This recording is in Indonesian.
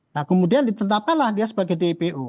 nah kemudian ditetapkanlah dia sebagai dpo